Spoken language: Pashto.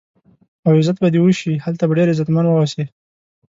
او عزت به دې وشي، هلته به ډېر عزتمن و اوسې.